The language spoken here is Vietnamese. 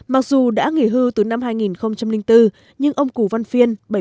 mặc dù đã nghỉ hưu từ năm hai nghìn bốn nhưng ông củ văn phiên